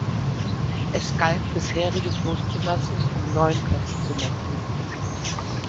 Es galt Bisheriges loszulassen, um Neuem Platz zu machen.